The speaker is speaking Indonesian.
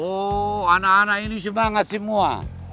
oh anak anak ini semangat semua